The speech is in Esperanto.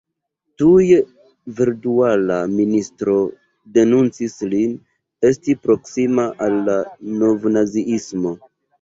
Tuj verdula ministro denuncis lin, esti proksima al novnaziismo.